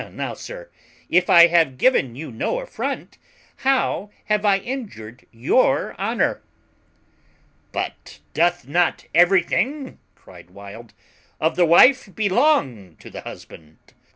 Now, sir, if I have given you no affront, how have I injured your honour?" "But doth not everything," cried Wild, "of the wife belong to the husband?